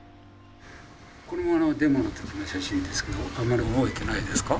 これがデモの時の写真ですけどあんまり覚えてないですか？